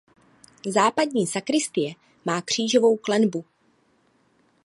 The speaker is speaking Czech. Západní sakristie má křížovou klenbu.